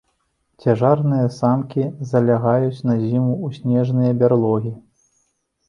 Цяжарныя самкі залягаюць на зіму ў снежныя бярлогі.